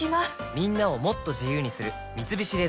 みんなをもっと自由にする「三菱冷蔵庫」